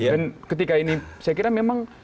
dan ketika ini saya kira memang